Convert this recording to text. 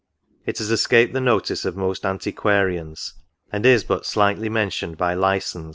It has escaped the notice of most antiquarians, and is but slightly mentioned by Lysons.